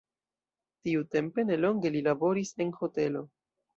Tiutempe nelonge li laboris en hotelo.